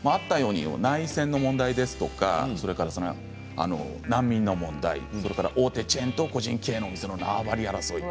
内戦の問題ですとか難民の問題大手チェーンと個人経営の縄張り争い。